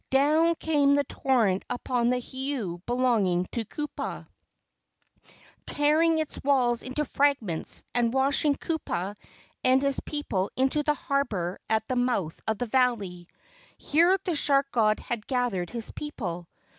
Down came the torrent upon the heiau belonging to Kupa, tearing its walls into fragments and washing Kupa and his people into the harbor at the mouth of the valley. Here the shark god had gathered his people.